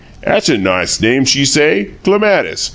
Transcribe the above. ''At's a nice name!' she say. 'Clematis.'